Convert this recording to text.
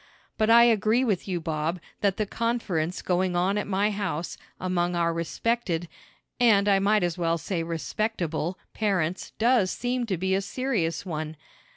"But I agree with you, Bob, that the conference going on at my house, among our respected, and I might as well say respectable, parents does seem to be a serious one.